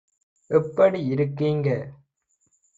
எப்படி இருக்கீங்க?